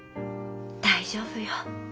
大丈夫よ。